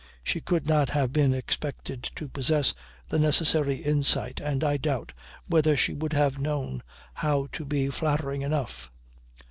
She could not have been expected to possess the necessary insight and I doubt whether she would have known how to be flattering enough.